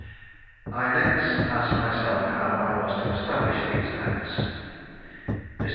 I next asked myself how I was to establish these facts. Mr.